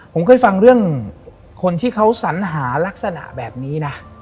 ผมเคยฟังเรื่องคนที่เขาสัญหาลักษณะแบบนี้นะ